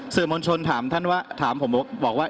สื่อมวลชนถามท่านว่าถามผมบอกว่า